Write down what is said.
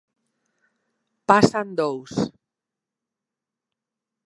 Pasan dous.